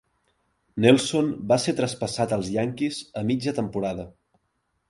Nelson va ser traspassat als Yankees a mitja temporada.